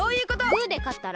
グーでかったら？